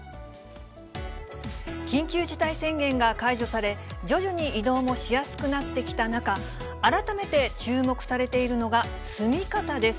緊急事態宣言が解除され、徐々に移動もしやすくなってきた中、改めて注目されているのが住み方です。